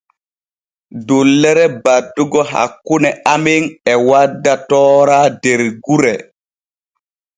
Dullere baddugo hakkune amen e wadda toora der gure.